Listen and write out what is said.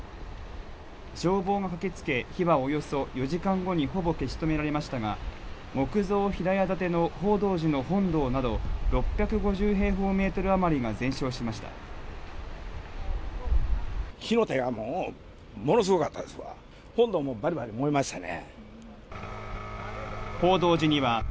消防が駆けつけ、火はおよそ４時間後にほぼ消し止められましたが、木造平屋建ての寳幢寺の本堂など、６５０平方メートル余りが全焼し火の手がもう、ものすごかっ「ダイアモンドだね」